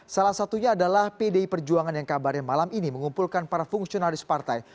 salah satunya adalah pdi perjuangan yang kabarnya malam ini mengumpulkan para fungsionalis partai